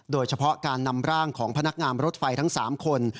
โดยเฉพาะการนำร่างของพนักงานรถไฟทั้ง๓คน